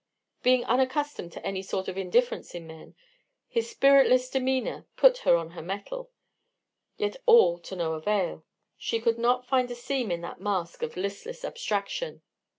Being unaccustomed to any sort of indifference in men, his spiritless demeanor put her on her mettle, yet all to no avail; she could not find a seam in that mask of listless abstraction.